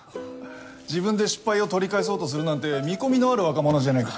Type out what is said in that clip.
自分で失敗を取り返そうとするなんて見込みのある若者じゃないか。